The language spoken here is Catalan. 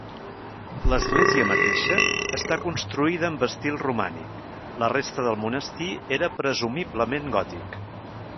L'església mateixa està construïda amb estil romànic; la resta del monestir era presumiblement gòtic.